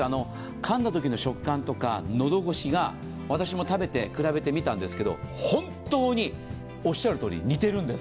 かんだときの食感とかのどごしが、私も食べて比べて見たんですけど本当に似てるんです。